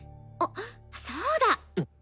そうだ！